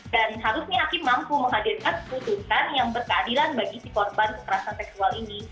dan harusnya hakim mampu menghadirkan keputusan yang berkeadilan bagi si korban keterasan seksual ini